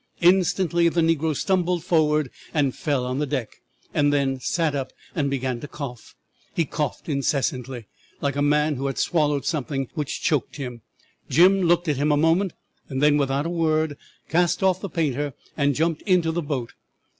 "'Instantly the negro stumbled forward, and fell on the deck, and then sat up and began to cough. He coughed incessantly, like a man who has swallowed something which choked him. Jim looked at him a moment, and then, without a word, cast off the painter and jumped into the boat.